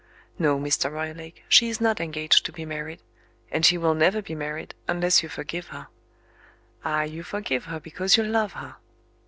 No, Mr. Roylake, she is not engaged to be married and she will never be married, unless you forgive her. Ah, you forgive her because you love her!